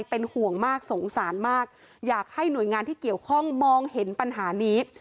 เป็นห่วงมากสงสารมากอยากให้หน่วยงานที่เกี่ยวข้องมองเห็นปัญหานี้